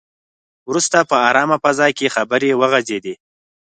وروسته په ارامه فضا کې خبرې وغځېدې.